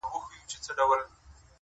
چي زموږ پر خاوره یرغلونه کیږي-